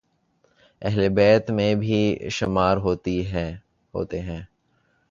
اہل بیت میں بھی شمار ہوتے ہیں